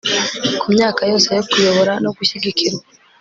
kumyaka yose yo kuyobora no gushyigikirwa